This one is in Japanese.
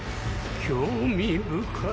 興味深い。